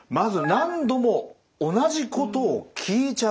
「何度も同じことを聞いちゃう」。